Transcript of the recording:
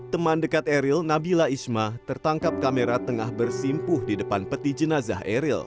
teman dekat eril nabila isma tertangkap kamera tengah bersimpuh di depan peti jenazah eril